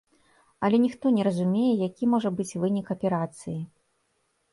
Але ніхто не разумее, які можа быць вынік аперацыі.